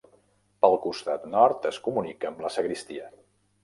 Pel costat nord es comunica amb la sagristia.